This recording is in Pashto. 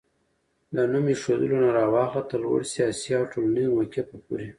له نوم ايښودلو نه راواخله تر لوړ سياسي او ټولنيز موقفه پورې